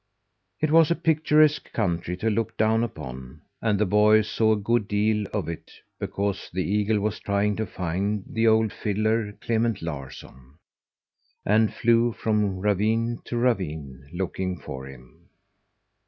It was a picturesque country to look down upon, and the boy saw a good deal of it, because the eagle was trying to find the old fiddler, Clement Larsson, and flew from ravine to ravine looking for him.